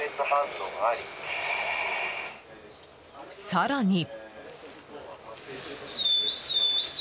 更に。